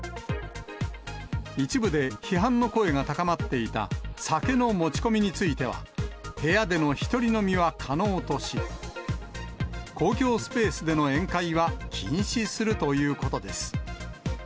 一部で批判の声が高まっていた酒の持ち込みについては、部屋での一人飲みは可能とし、公共スペースでの宴会は禁止するということです。